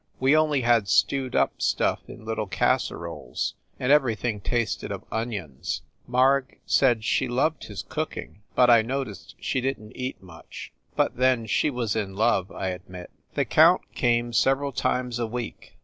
We only had stewed up stuff in little casseroles, and everything tasted of onions. Marg said she loved his cooking, but I noticed she didn t eat much. But then, she was in love, I admit. The count came several times a week.